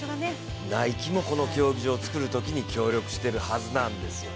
Ｎｉｋｅもこの競技場を造るときに協力してるはずなんですよ。